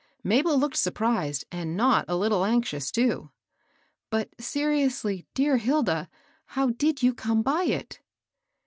Mabel looked surprised, and not a little anxious, too. " But seriously, dear Hilda, how did you come by it?"